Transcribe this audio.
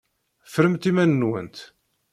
Ffremt iman-nwent!